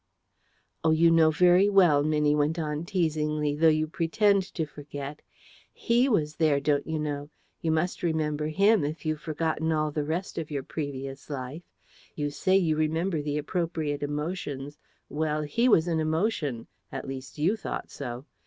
"Oh, you know very well," Minnie went on teasingly, "though you pretend you forget. HE was there, don't you know. You must remember HIM, if you've forgotten all the rest of your previous life. You say you remember the appropriate emotions. Well, he was an emotion: at least, you thought so.